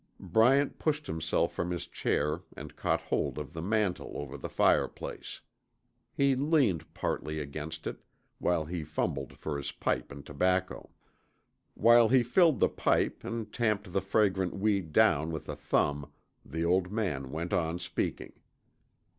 Bryant pushed himself from his chair and caught hold of the mantel over the fireplace. He leaned partly against it, while he fumbled for his pipe and tobacco. While he filled the pipe and tamped the fragrant weed down with a thumb, the old man went on speaking.